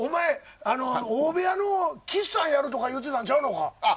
大部屋の岸さんやるとか言ってたんちゃうか。